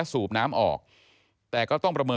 สูบน้ำออกแต่ก็ต้องประเมิน